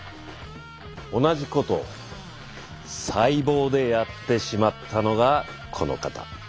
同じことを細胞でやってしまったのがこの方。